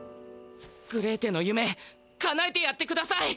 グレーテのゆめかなえてやってください！